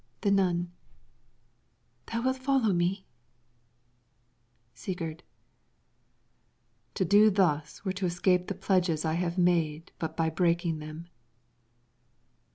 The Nun Thou wilt follow me? Sigurd To do thus were to escape the pledges I have made but by breaking them.